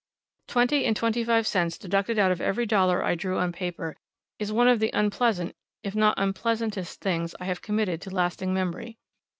Twenty and twenty five cents deducted out of every dollar I drew on paper is one of the unpleasant, if not unpleasantest things I have committed to lasting memory.